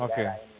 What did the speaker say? politik ya oke